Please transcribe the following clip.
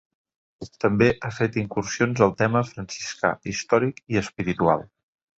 També ha fet incursions al tema franciscà, històric i espiritual.